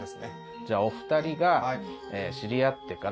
じゃあお２人が知り合ってから。